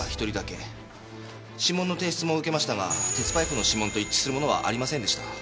指紋の提出も受けましたが鉄パイプの指紋と一致するものはありませんでした。